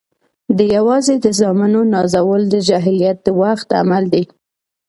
ديوازي د زامنو نازول د جاهليت د وخت عمل دی.